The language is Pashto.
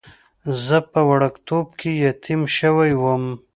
زه په وړکتوب کې یتیم شوی وم.